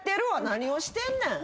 何をしてんねん。